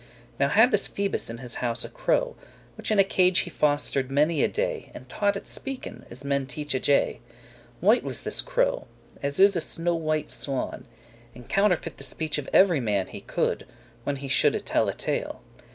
Now had this Phoebus in his house a crow, Which in a cage he foster'd many a day, And taught it speaken, as men teach a jay. White was this crow, as is a snow white swan, And counterfeit the speech of every man He coulde, when he shoulde tell a tale.